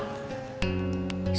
cuma kita berempat